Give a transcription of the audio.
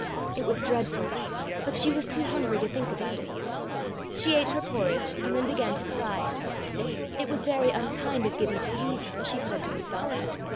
It was dreadful; but she was too hungry to think about it. She ate her porridge, and then began to cry. It was very unkind of Gibbie to leave her, she said to herself.